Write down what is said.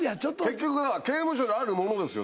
結局刑務所にあるものですよ。